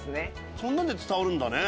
そんなんで伝わるんだね。